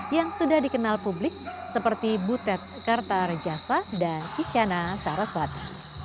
yang sudah dikenal publik seperti butet kertarejasa dan isyana saraswati